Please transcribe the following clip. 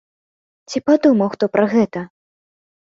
Ці падумаў хто пра гэта?